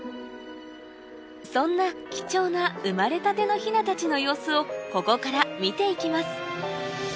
そんな貴重な生まれたてのヒナたちの様子をここから見ていきます